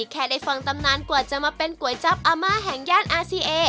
แค่ได้ฟังตำนานกว่าจะมาเป็นก๋วยจับอาม่าแห่งย่านอาซีเอ